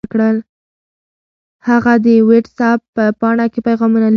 هغه د وټس اپ په پاڼه کې پیغامونه لیدل.